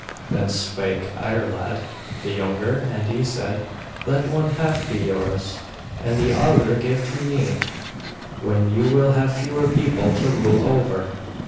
Then spake Iarlaid, the younger, and he said: 'Let one half be yours, and the other give to me; then you will have fewer people to rule over.